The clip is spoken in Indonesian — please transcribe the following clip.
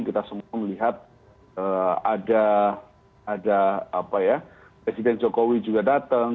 kita semua melihat ada ada apa ya presiden jokowi juga datang